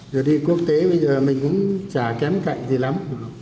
rồi đi quốc tế bây giờ mình cũng chả kém cạnh gì lắm